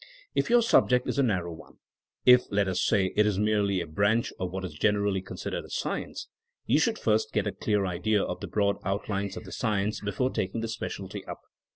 If your subject is a narrow one, if let us say it is merely a branch of what is generally con sidered a science, you should first get a clear idea of the broad outlines of the science before taking the specialty up.